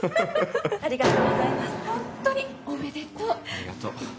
ありがとう。